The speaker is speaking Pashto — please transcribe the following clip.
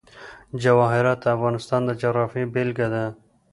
جواهرات د افغانستان د جغرافیې بېلګه ده.